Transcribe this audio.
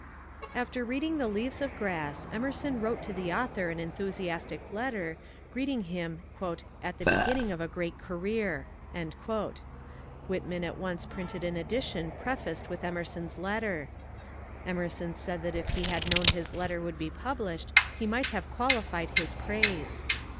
After reading the '* Leaves of Grass," Emerson wrote to the author an enthusiastic letter, greeting him ^' at the begin ning of a great career." Whitman at once printed an edition prefaced with Emerson's letter. Emerson said that if he had known his letter would be published he might have qualified his praise.